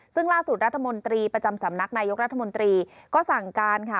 ซึ่งล่าสุดรัฐมนตรีประจำสำนักนายกรัฐมนตรีก็สั่งการค่ะ